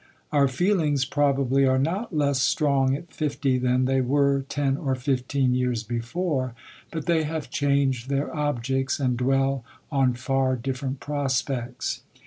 Our feelings probably are not less strong at fifty than they were ten or fifteen years before; but they have changed their objects, and dwell on far different prospects.